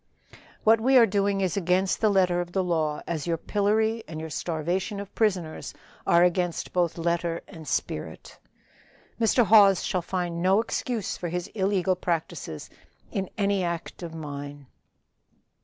"What we are doing is against the letter of the law, as your pillory and your starvation of prisoners are against both letter and spirit. Mr. Hawes shall find no excuse for his illegal practices in any act of mine."